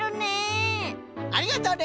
ありがとね！